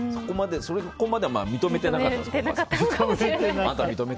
そこまで認めてなかったんですか？